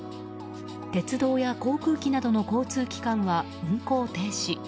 鉄道や航空機などの交通機関は運行停止。